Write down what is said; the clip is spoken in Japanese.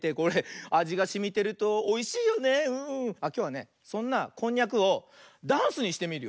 あっきょうはねそんなこんにゃくをダンスにしてみるよ。